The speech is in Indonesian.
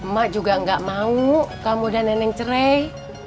mak juga gak mau kamu udah nenek cerai